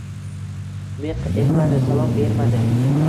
Miq etmadi. Salom bermadi.